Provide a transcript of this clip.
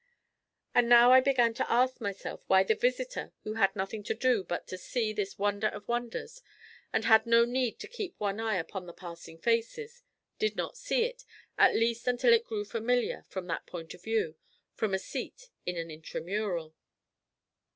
And now I began to ask myself why the visitor who had nothing to do but to see this wonder of wonders, and had no need to keep one eye upon the passing faces, did not see it, at least until it grew familiar from that point of view, from a seat in an Intramural.